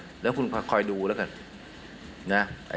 เดี๋ยวคุณคอยดูแล้วกันนะ